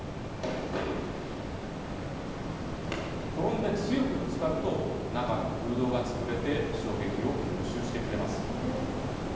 転んで強くぶつかると、中の空洞がつぶれて、衝撃を吸収してくれます。